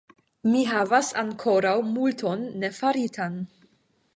Mi havas ankoraŭ multon nefaritan.